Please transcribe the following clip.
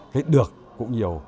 cái được cũng nhiều